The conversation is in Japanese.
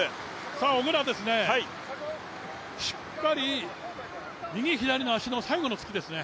小椋、しっかり右左の最後の足ですね。